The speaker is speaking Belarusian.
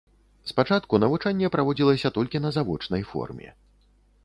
Спачатку навучанне праводзілася толькі на завочнай форме.